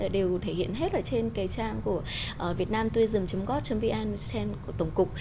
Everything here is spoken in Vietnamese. đều thể hiện hết ở trên cái trang của vietnam vn gov vn của tổng cục